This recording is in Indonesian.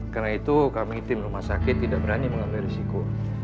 karena itu kami tim rumah sakit tidak berani mengambil risiko